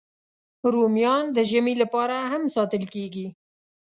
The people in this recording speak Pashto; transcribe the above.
رومیان د ژمي لپاره هم ساتل کېږي